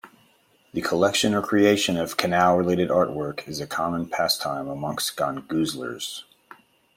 The collection or creation of canal related artwork is a common pastime amongst gongoozlers.